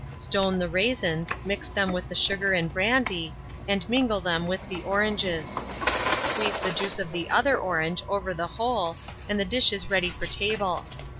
Stone the raisins, mix them with the sugar and brandy, and mingle them with the oranges. Squeeze the juice of the other orange over the whole, and the dish is ready for table.